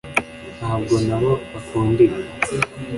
ntabwo nabo bakunda ibi